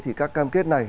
thì các cam kết này